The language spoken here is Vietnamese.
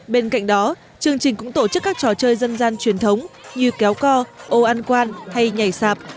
bên cạnh đó chương trình cũng tổ chức các trò chơi dân gian truyền thống như kéo co ô ăn quan hay nhảy sạp